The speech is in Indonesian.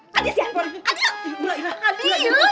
kak dius ya kak dius